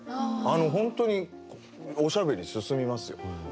本当におしゃべり進みますよ。